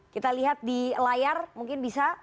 kita lihat di layar mungkin bisa